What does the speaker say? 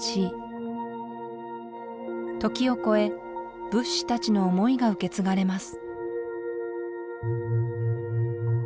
時を超え仏師たちの思いが受け継がれます